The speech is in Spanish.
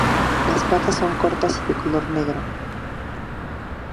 Las patas son cortas y de color negro.